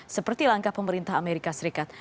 seperti langkah pemerintah amerika serikat